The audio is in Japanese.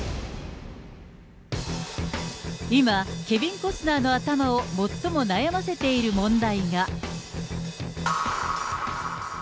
今、ケビン・コスナーの頭を最も悩ませている問題が。